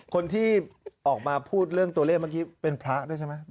คนที่ออกมาพูดเรื่องตัวเลขเมื่อกี้เป็นพระด้วยใช่ไหม